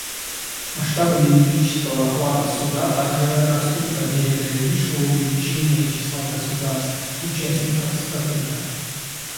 Масштабы юридического охвата Суда также растут по мере дальнейшего увеличения числа государств — участников Статута.